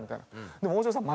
でも大城さん